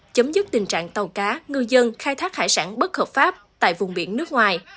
chấm dứt tình trạng tàu cá ngư dân khai thác hải sản bất hợp pháp tại vùng biển nước ngoài